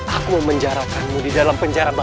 aku memenjarakanmu di dalam penjara